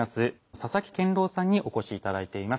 佐々木健郎さんにお越し頂いています。